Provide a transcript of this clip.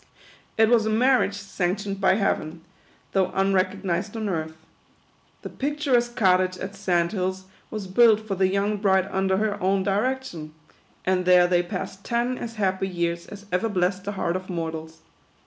It was a marriage sanctioned by Heaven, though THE QUADROONS. 63 unrecognised on earth, |jThe picturesque cotiage at Sand Hills was built for the young bride under her own direction ; and there they passed ten as happy years as ever blessed the heart of mortals.